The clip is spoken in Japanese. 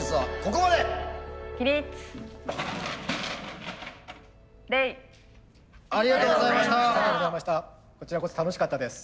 こちらこそ楽しかったです。